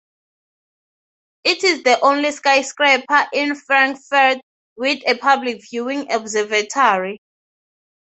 It is the only skyscraper in Frankfurt with a public viewing observatory.